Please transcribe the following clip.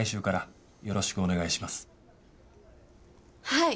はい！